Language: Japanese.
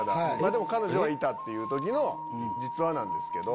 でも、彼女はいたというときの実話なんですけど。